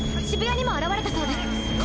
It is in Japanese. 渋谷にも現れたそうです